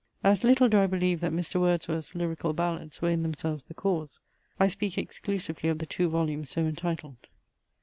As little do I believe that Mr. Wordsworth's Lyrical Ballads were in themselves the cause. I speak exclusively of the two volumes so entitled.